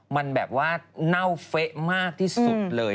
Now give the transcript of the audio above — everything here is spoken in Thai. มันแบบว่าเน่าเฟะมากที่สุดเลย